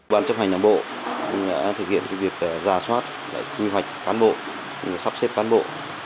bản chấp hành đồng bộ đã thực hiện việc giả soát quy hoạch cán bộ sắp xếp cán bộ